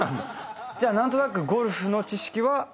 じゃあ何となくゴルフの知識は？